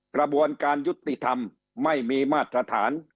กระบวนการยุติธรรมไม่มีมาตรฐาน